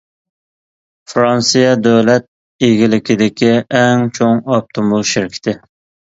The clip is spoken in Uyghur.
فىرانسىيە دۆلەت ئىگىلىكىدىكى ئەڭ چوڭ ئاپتوموبىل شىركىتى.